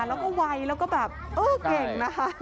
และก็วัยและก็แบบเออเก่งนะค่ะ